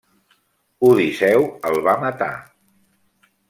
Odisseu el va matar.